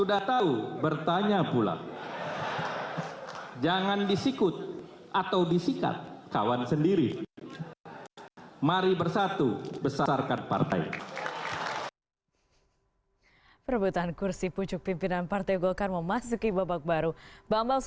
saya memutuskan untuk calling down ketika melihat tensi politik yang makin memanas